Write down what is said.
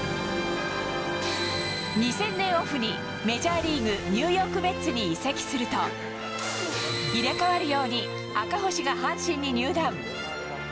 ２０００年オフにメジャーリーグニューヨーク・メッツに移籍すると入れ替わるように赤星が阪神に入団。